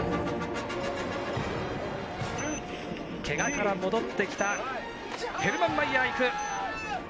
けがから戻ってきたヘルマン・マイヤー、行く。